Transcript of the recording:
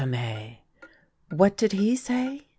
A3 "What did he say?"